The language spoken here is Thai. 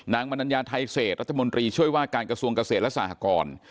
มนัญญาไทยเศษรัฐมนตรีช่วยว่าการกระทรวงเกษตรและสหกร